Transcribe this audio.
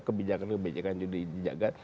kebijakan kebijakan juga dijaga